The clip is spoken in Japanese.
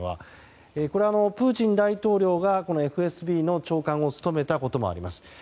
プーチン大統領がＦＳＢの長官を務めたこともあります。